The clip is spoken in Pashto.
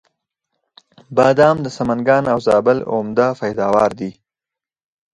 بادام د سمنګان او زابل عمده پیداوار دی.